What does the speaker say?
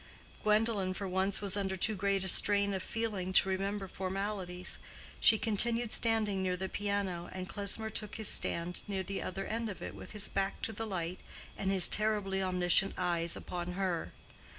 Gwendolen for once was under too great a strain of feeling to remember formalities. She continued standing near the piano, and Klesmer took his stand near the other end of it with his back to the light and his terribly omniscient eyes upon her.